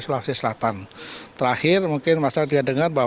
serta peningkatan lrt sumatera selatan